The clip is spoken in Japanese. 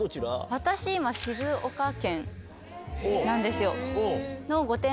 私今、静岡県なんですよ。